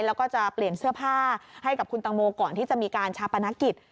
แล้วก็จะเปลี่ยนเสื้อผ้าให้กับคุณตังโมก่อนที่จะมีการชาปนกิจ